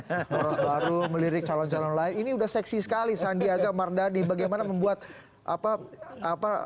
poros baru melirik calon calon lain ini udah seksi sekali sandiaga mardadi bagaimana membuat apa